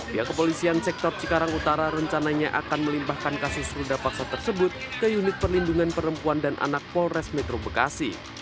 pihak kepolisian sektor cikarang utara rencananya akan melimpahkan kasus ruda paksa tersebut ke unit perlindungan perempuan dan anak polres metro bekasi